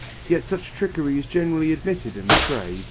Yet such trickery is generally admitted in the trade.